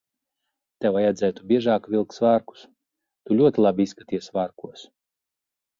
Tev vajadzētu biežāk vilkt svārkus. Tu ļoti labi izskaties svārkos.